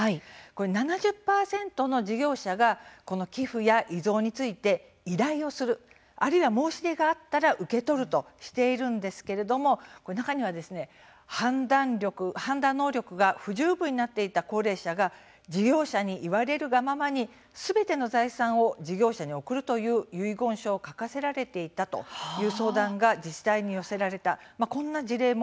７０％の事業者が寄付や遺贈について依頼をするあるいは申し出があったら受け取るとしているんですけれども中には判断能力が不十分になっていた高齢者が事業者に言われるがままにすべての財産を事業者に贈るという遺言書を書かせられたという相談が自治体に寄せられた